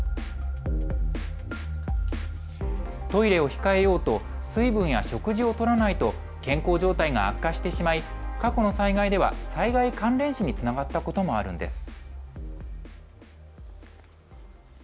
トイレを控えようと水分や食事をとらないと健康状態が悪化してしまい過去の災害では災害関連死につながったこともあるんです。